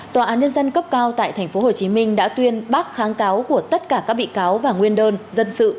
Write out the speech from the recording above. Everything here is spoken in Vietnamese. tòa án nhân dân cấp cao tại tp hcm đã tuyên bác kháng cáo của tất cả các bị cáo và nguyên đơn dân sự